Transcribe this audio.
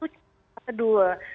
tujuh fraksi ini penganggap